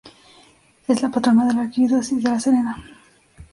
Es la patrona de la Arquidiócesis de La Serena.